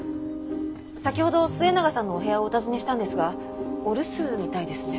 先ほど末永さんのお部屋をお訪ねしたんですがお留守みたいですね。